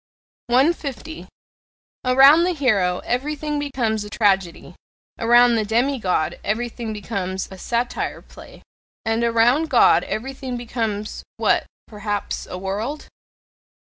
150. Around the hero everything becomes a tragedy; around the demigod everything becomes a satyr play; and around God everything becomes what? perhaps a "world"?